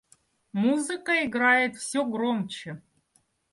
Музыка играет всё громче.